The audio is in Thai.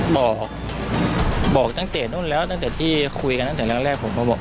บอกบอกตั้งแต่นู้นแล้วตั้งแต่ที่คุยกันตั้งแต่แรกผมก็บอก